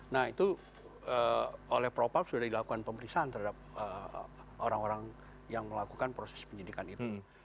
nah itu oleh propam sudah dilakukan pemeriksaan terhadap orang orang yang melakukan proses penyidikan itu